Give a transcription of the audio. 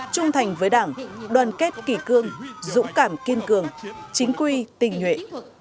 trung thành với đảng đoàn kết kỳ cương dũng cảm kiên cường chính quy tình huệ